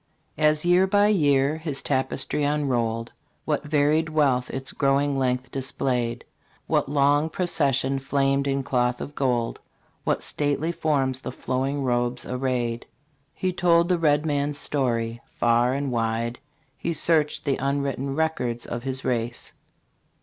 As year by year his tapestry unrolled, What varied wealth its growing length displayed ! What long processions flamed in cloth of gold ! What stately forms the flowing robes arrayed ! He told the red man's story ; far and wide He searched the unwritten records of his race.